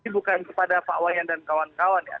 bukan kepada pak wayan dan kawan kawan ya